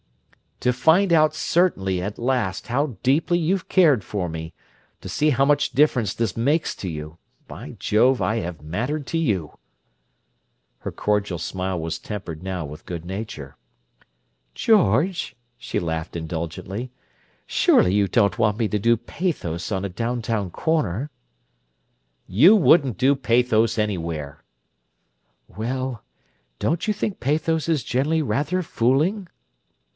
"To find out certainly, at last, how deeply you've cared for me! To see how much difference this makes to you! By Jove, I have mattered to you!" Her cordial smile was tempered now with good nature. "George!" She laughed indulgently. "Surely you don't want me to do pathos on a downtown corner!" "You wouldn't 'do pathos' anywhere!" "Well—don't you think pathos is generally rather fooling?"